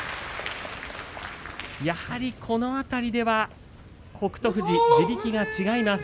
やはり、この辺りでは、北勝富士地力が違います。